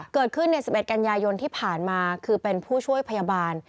เกิดขึ้นใน๑๑กันยายนที่ผ่านมาคือเป็นผู้ช่วยพยาบาล